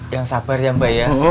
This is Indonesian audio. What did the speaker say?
yang sabar ya mbak ya